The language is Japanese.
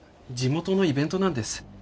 地元のイベントなんです。